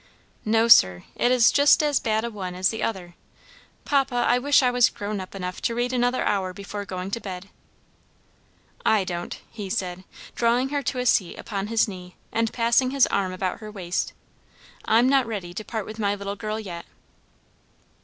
"No, sir, it is just as bad a one as the other. Papa, I wish I was grown up enough to read another hour before going to bed." "I don't," he said, drawing her to a seat upon his knee, and passing his arm about her waist, "I'm not ready to part with my little girl yet."